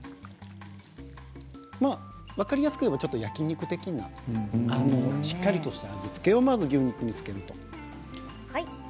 分かりやすく言えばちょっと焼き肉的なしっかりとした味付けをまず牛肉に付けると。